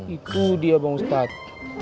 itu dia bang ustadz